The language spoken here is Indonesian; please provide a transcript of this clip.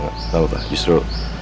gak apa apa justru